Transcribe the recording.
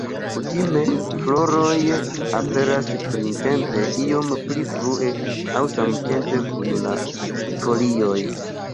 Kutime floroj aperas printempe, iom pli frue aŭ samtempe kun la folioj.